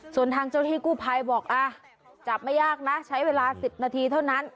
ส่วนทางเจ้าที่กู้ภัยบอกจับไม่ยากนะใช้เวลา๑๐นาทีเท่านั้น